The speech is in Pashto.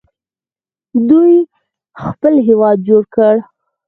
دوی خپل هیواد جوړ کړ.